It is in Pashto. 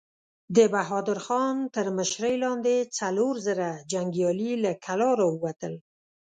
د بهادر خان تر مشرۍ لاندې څلور زره جنګيالي له کلا را ووتل.